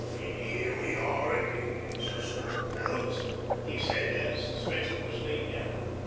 'An' 'ere we are again, as the song says,' he said, as the stretcher was laid down.